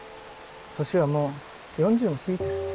年はもう４０も過ぎてる。